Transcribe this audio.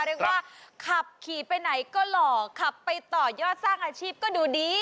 เรียกว่าขับขี่ไปไหนก็หล่อขับไปต่อยอดสร้างอาชีพก็ดูดี